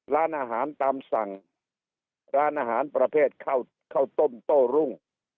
ร้านอาหารตามสั่งร้านอาหารประเภทข้าวต้มโต้รุ่ง